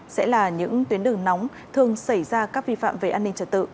sẽ là những tuyến đường nóng thường xảy ra các vi phạm về an ninh trật tự